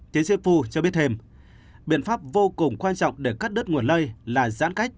chính sĩ phu cho biết thêm biện pháp vô cùng quan trọng để cắt đứt nguồn lợi là giãn cách